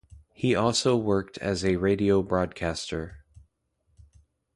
He also worked as a radio broadcaster.